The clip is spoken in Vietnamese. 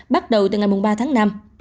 bắt đầu từ ngày ba tháng năm